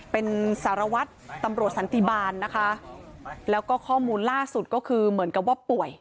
เป็นสารวัตรตำรวจสันติบาลนะคะแล้วก็ข้อมูลล่าสุดก็คือเหมือนกับว่าป่วย